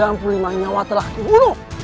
sembilan puluh lima nyawa telah dibunuh